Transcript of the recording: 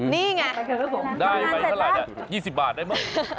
นี่ไงทำงานเสร็จแล้วได้ไปเท่าไรนะ๒๐บาทได้ไหม